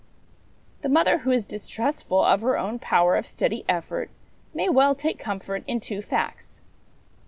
The mother who is distrustful of her own power of steady effort may well take comfort in two facts.